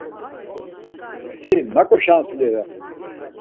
Si naǩo şansli re!